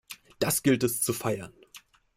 Das gilt es zu feiern!